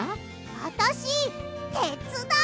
あたしてつだう！